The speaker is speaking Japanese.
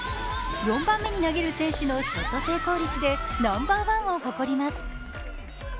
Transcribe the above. ４番目に投げる選手のショット成功率でナンバーワンを誇ります。